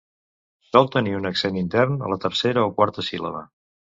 Sol tenir un accent intern a la tercera o quarta síl·laba.